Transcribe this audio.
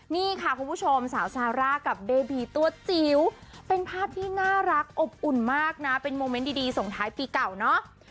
นี่ค่ะคุณผู้ชมสาวซาร่ากับเบบีตัวจิ๋วเป็นภาพที่น่ารักอบอุ่นมากนะเป็นโมเมนต์ดีส่งท้ายปีเก่าเนาะ